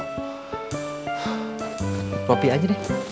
bapak pi aja deh